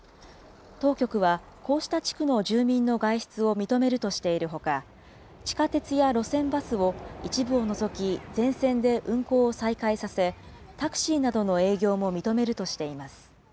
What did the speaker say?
当局はこうした地区の住民の外出を認めるとしているほか、地下鉄や路線バスを一部を除き全線で運行を再開させ、タクシーなどの営業も認めるとしています。